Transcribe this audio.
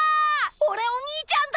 おれお兄ちゃんだ！